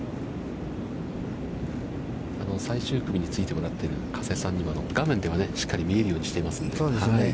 最終組についてもらっている加瀬さんには、画面ではしっかり見えるようにしていますので。